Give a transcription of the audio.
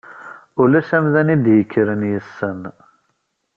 Ulac amdan id-yekkren yessen.